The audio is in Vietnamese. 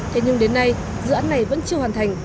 thế nhưng đến nay dự án này vẫn chưa hoàn thành